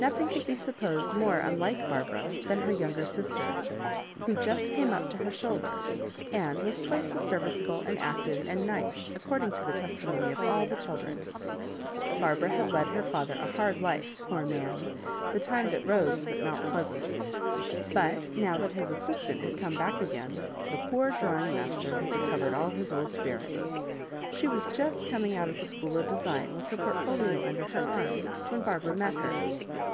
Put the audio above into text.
Nothiag could be supposed more unlike Barbara than her younger sister, who just came up to her shoulder, and was twice as serviceable and active and " nice," according to the testimony of all the children. Barbara had led her father a bard life, poor man I the time that Bose was at Mount Pleasant ; but now that his assistant had come back ag^in, the poor drawing^master had recovered all his old spirits. She was just coming out of the School of Design, with her portfolio under her arm,, when Barbara met her.